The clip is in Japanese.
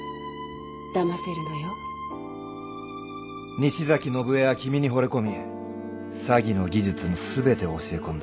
西崎信江は君にほれ込み詐欺の技術の全てを教え込んだ。